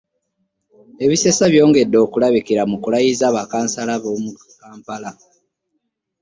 Ebisesa byongedde okulabikira mu kulayiza ba kkansala b'omu Kampala.